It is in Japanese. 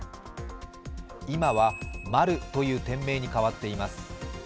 今は「マル」という店名に変わっています。